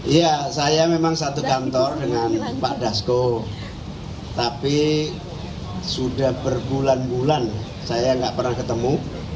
iya saya memang satu kantor dengan pak dasko tapi sudah berbulan bulan saya nggak pernah ketemu